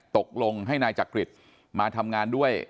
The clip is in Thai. ตกลงให้นายจักริตมาทำงานด้วย